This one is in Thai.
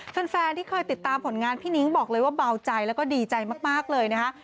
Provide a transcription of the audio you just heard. แฟนที่เคยติดตามผลงานพี่นิ้งบอกเลยว่าเบาใจแล้วก็ดีใจมากเลยนะคะ